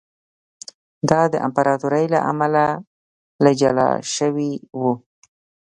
دا د امپراتورۍ له امله له جلا شوی و